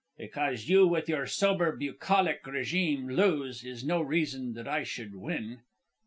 "Because you with your sober bucolic regime, lose, is no reason that I should win.